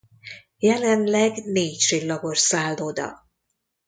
Jelenleg négy csillagos szálloda.